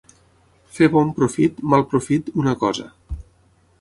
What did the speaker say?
Fer bon profit, mal profit, una cosa.